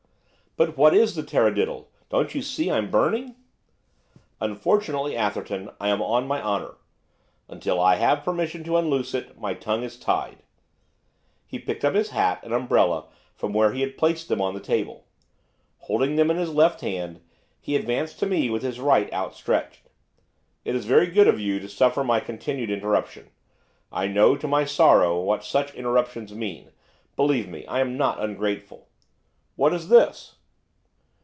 'But what is the tarradiddle? don't you see I'm burning?' 'Unfortunately, Atherton, I am on my honour. Until I have permission to unloose it, my tongue is tied.' He picked up his hat and umbrella from where he had placed them on the table. Holding them in his left hand, he advanced to me with his right outstretched. 'It is very good of you to suffer my continued interruption; I know, to my sorrow, what such interruptions mean, believe me, I am not ungrateful. What is this?